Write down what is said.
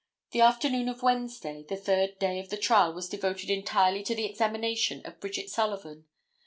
The afternoon of Wednesday, the third day of the trial was devoted entirely to the examination of Bridget Sullivan.